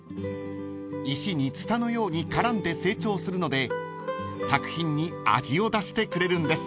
［石にツタのように絡んで成長するので作品に味を出してくれるんです］